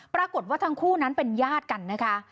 ปรากฏว่าทั้งคู่นั้นเป็นญาติกันนะคะ